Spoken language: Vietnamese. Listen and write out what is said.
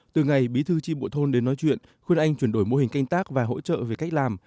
từ ngày bí thư tri bộ thôn đến nói chuyện khuyên anh chuyển đổi mô hình canh tác và hỗ trợ về cách làm